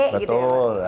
betek gitu ya